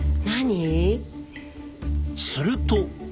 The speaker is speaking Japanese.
すると。